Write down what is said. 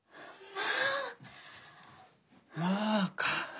まああか。